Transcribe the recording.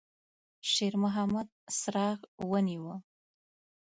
شېرمحمد څراغ ونیوه.